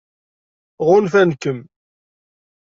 Ɣunfan-kem?